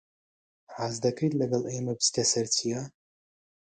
حەز دەکەیت لەگەڵ ئێمە بچیتە سەر چیا؟